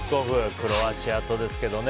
クロアチアとですけどね。